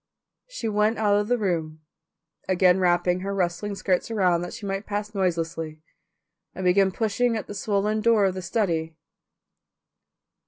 She went out of the room, again wrapping her rustling skirts around that she might pass noiselessly, and began pushing at the swollen door of the study.